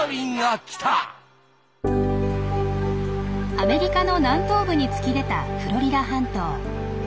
アメリカの南東部に突き出たフロリダ半島。